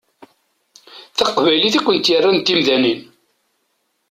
D taqbaylit i kent-yerran d timdanin.